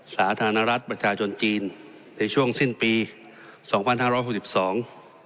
สาธารณรัฐประชาชนจีนในช่วงสิ้นปีสองพันห้าร้อยหกสิบสอง